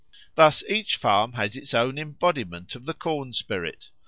Thus, each farm has its own embodiment of the corn spirit.